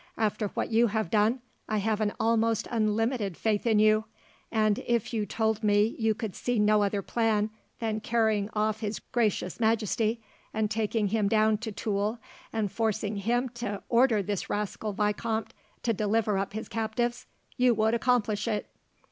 "After what you have done, I have an almost unlimited faith in you, and if you told me you could see no other plan than carrying off His Gracious Majesty, and taking him down to Tulle and forcing him to order this rascal vicomte to deliver up his captives, you would accomplish it."